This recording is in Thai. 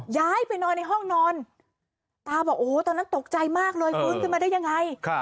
ย้ายไปนอนในห้องนอนตาบอกโอ้โหตอนนั้นตกใจมากเลยฟื้นขึ้นมาได้ยังไง